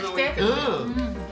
うん。